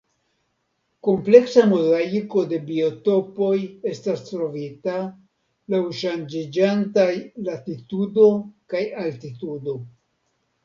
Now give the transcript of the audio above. Kompleksa mozaiko de biotopoj estas trovita laŭ ŝanĝiĝantaj latitudo kaj altitudo.